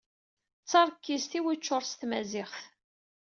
D tarkizt i wučur s Tmaziɣt.